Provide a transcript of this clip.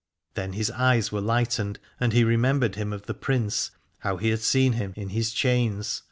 Then his eyes were lightened and he remembered him of the Prince, how he had seen him in his chains.